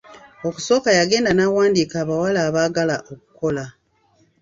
Okusooka yagenda n'awandiika abawala abaagala okukola.